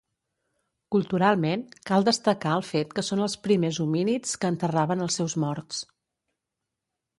Culturalment, cal destacar el fet que són els primers homínids que enterraven els seus morts.